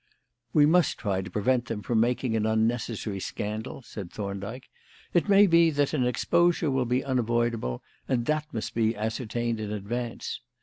"We must try to prevent them from making an unnecessary scandal," said Thorndyke. "It may be that an exposure will be unavoidable, and that must be ascertained in advance.